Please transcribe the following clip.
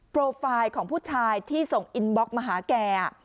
โปรไฟล์ของผู้ชายที่ส่งอินบล็อกมาหาแก